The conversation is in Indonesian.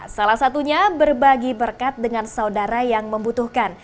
salah satunya berbagi berkat dengan saudara yang membutuhkan